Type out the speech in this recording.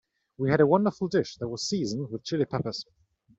We had a wonderful dish that was seasoned with Chili Peppers.